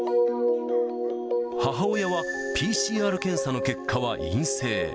母親はＰＣＲ検査の結果は陰性。